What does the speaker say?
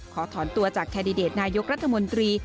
ขอถอนตัวจากแคนดิเดตนายกรัฐมนตรี